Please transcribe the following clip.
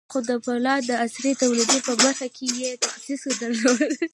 خو د پولادو د عصري تولید په برخه کې یې تخصص درلود